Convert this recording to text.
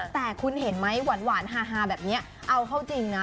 แต่คุณเห็นไหมหวานฮาแบบนี้เอาเข้าจริงนะ